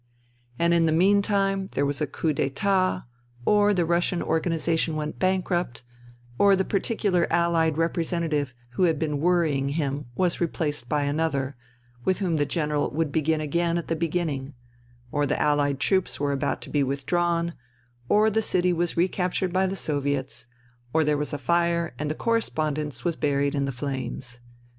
'* And in the meantime there was a coup d*itat ; or the Russian organization went bankrupt ; or the particular Allied representative who had been worrying him was replaced by another, with whom the General would begin again at the beginning ; or the Allied troops were about to be withdrawn ; or the city was recaptured by the Sovets ; or there was a fire and the correspondence was buried in the flames.